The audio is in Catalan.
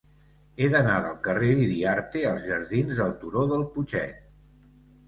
He d'anar del carrer d'Iriarte als jardins del Turó del Putxet.